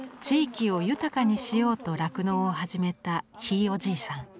地域を豊かにしようと酪農を始めたひいおじいさん。